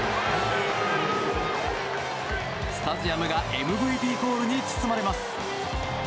スタジアムがＭＶＰコールに包まれます。